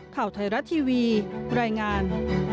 ข่าวไทยรัฐทีวีรายงาน